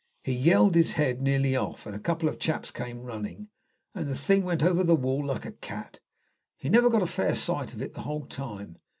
He yelled his head nearly off, and a couple of chaps came running, and the thing went over the wall like a cat. He never got a fair sight of it the whole time.